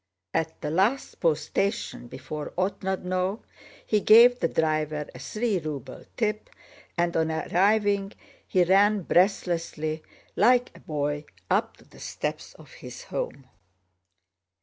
At the last post station before Otrádnoe he gave the driver a three ruble tip, and on arriving he ran breathlessly, like a boy, up the steps of his home.